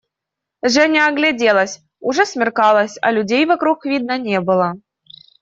Женя огляделась: уже смеркалось, а людей вокруг видно не было.